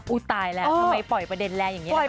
ตายแล้วทำไมปล่อยประเด็นแรงอย่างนี้ล่ะค่ะ